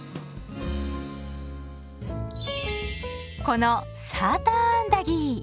このサーターアンダギー。